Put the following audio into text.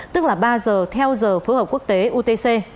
tức là ba h theo giờ phức hợp quốc tế utc